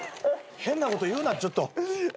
変なこと言うなちょっと。